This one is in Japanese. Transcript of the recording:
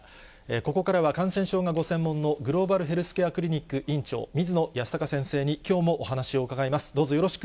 ここからは感染症がご専門の、グローバルヘルスケアクリニック院長、水野泰孝先生にきょうもお話を伺います。